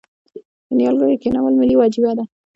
د نیالګیو کینول ملي وجیبه ده؟